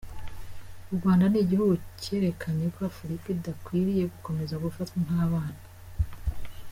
U Rwanda ni igihugu cyerekanye ko Afurika idakwiriye gukomeza gufatwa nk’abana.